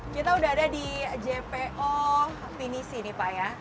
kita sudah ada di jpo finisi nih pak ya